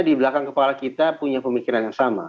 di belakang kepala kita punya pemikiran yang sama